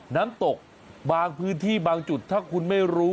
น้ำตกบางพื้นที่บางจุดถ้าคุณไม่รู้